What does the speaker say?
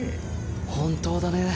本当だね。